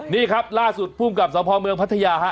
นี่ครับล่าสุดภูมิกับสภเมืองพัทยาฮะ